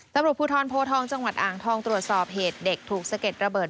ตำรวจภูทรโพทองจังหวัดอ่างทองตรวจสอบเหตุเด็กถูกสะเก็ดระเบิด